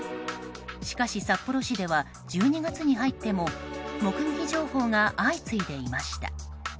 しかし、札幌市では１２月に入っても目撃情報が相次いでいました。